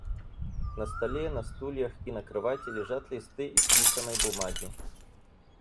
На столе, на стульях и на кровати лежат листы исписанной бумаги.